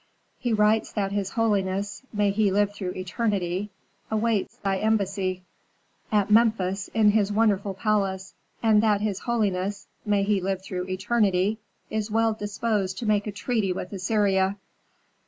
He writes that his holiness may he live through eternity! awaits thy embassy at Memphis in his wonderful palace, and that his holiness may he live through eternity! is well disposed to make a treaty with Assyria."